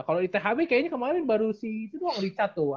kalo ithb kayaknya kemaren baru si itu tuh orang richard tuh